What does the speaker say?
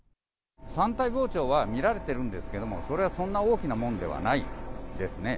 山体膨張は見られているんですけども、それはそんな大きなもんではないですね。